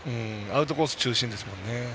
アウトコース中心ですもんね。